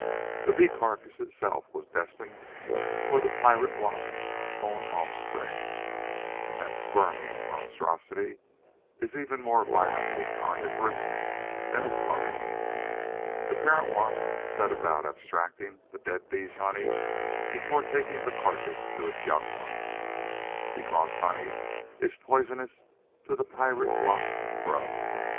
The bee carcass itself was destined for the pirate wasp's own offspring, and that squirming monstrosity is even more violently carnivorous than its mother. The parent wasp set about abstracting the dead bee's honey, before taking the carcass to its young one, because honey is poisonous to the pirate wasp's grub.